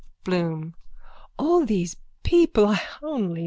BLOOM: All these people.